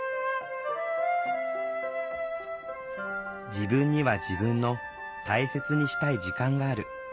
「自分には自分の大切にしたい時間がある」。